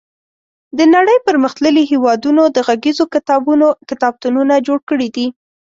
د نړۍ پرمختللي هېوادونو د غږیزو کتابونو کتابتونونه جوړ کړي دي.